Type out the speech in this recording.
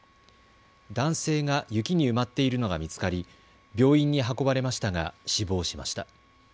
男性が雪に埋まっているのが見つかり病院に運ばれましたが死亡しました。